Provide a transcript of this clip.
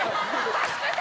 助けて！